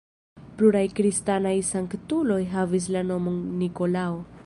Pluraj kristanaj sanktuloj havis la nomon Nikolao.